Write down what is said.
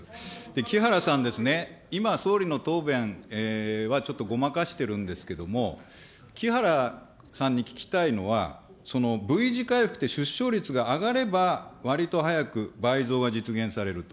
木原さんですね、今、総理の答弁はちょっとごまかしてるんですけれども、木原さんに聞きたいのは、Ｖ字回復で出生率が上がれば、わりと早く倍増が実現されると。